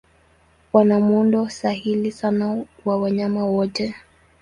Wana muundo sahili sana wa wanyama wote.